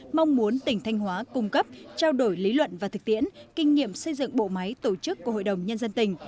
mong muốn tỉnh thanh hóa cung cấp trao đổi lý luận và thực tiễn kinh nghiệm xây dựng bộ máy tổ chức của hội đồng nhân dân tỉnh